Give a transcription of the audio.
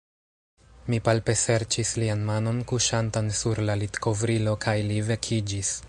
Mi palpeserĉis lian manon kuŝantan sur la litkovrilo, kaj li vekiĝis.